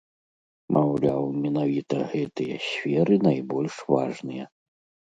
Маўляў, менавіта гэтыя сферы найбольш важныя.